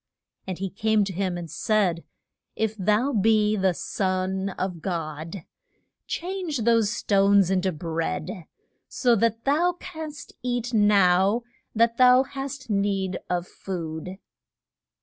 And he came to him and said, If thou be the Son of God change those stones in to bread, so that thou canst eat now that thou hast need of food.